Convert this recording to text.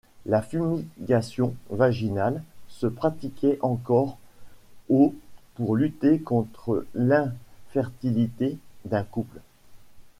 La fumigation vaginale se pratiquait encore au pour lutter contre l'infertilité d'un couple.